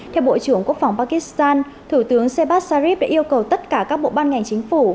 theo bộ trưởng quốc phòng pakistan thủ tướng sebastar đã yêu cầu tất cả các bộ ban ngành chính phủ